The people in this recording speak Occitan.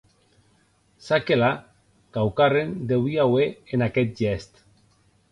Ça que la, quauquarren deuie auer en aqueth gèst.